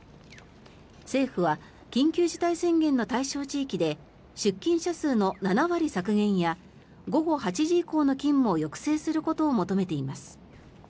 政府は緊急事態宣言の対象地域で出勤者数の７割削減や午後８時以降の勤務を抑制することを求めています。